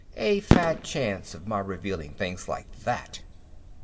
A fat chance of my revealing things like that!